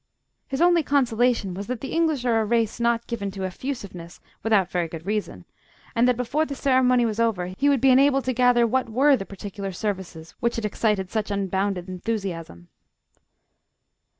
His only consolation was that the English are a race not given to effusiveness without very good reason, and that before the ceremony was over he would be enabled to gather what were the particular services which had excited such unbounded enthusiasm.